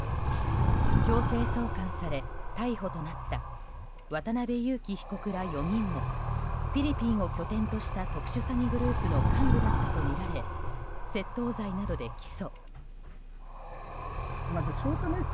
強制送還され、逮捕となった渡邉優樹被告ら４人もフィリピンを拠点とした特殊詐欺グループの幹部だったとみられ窃盗罪などで起訴。